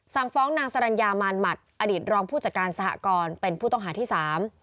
สั่งฟ้องนางสรรญามารหมัดอดีตรองผู้จัดการสหกรเป็นผู้ต้องหาที่สาม